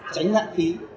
tránh lãng phí